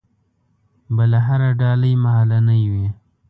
بله هره ډالۍ مهالنۍ وي.